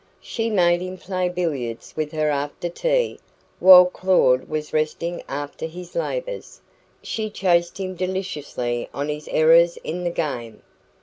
She made him play billiards with her after tea, while Claud was resting after his labours; she chaffed him deliciously on his errors in the game.